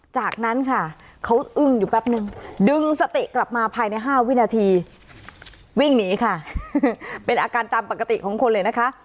จากนั้นค่ะเขาอึ้งอยู่แป๊บนึงดึงสติกลับมาภายใน๕วินาทีวิ่งหนีค่ะเป็นอาการตามปกติของคนเลยนะคะ